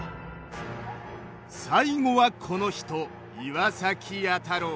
最後はこの人岩崎弥太郎。